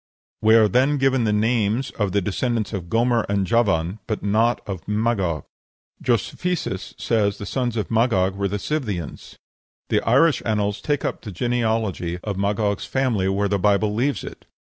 We are then given the names of the descendants of Gomer and Javan, but not of Magog. Josephus says the sons of Magog were the Scythians. The Irish annals take up the genealogy of Magog's family where the Bible leaves it.